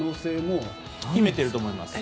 秘めていると思います。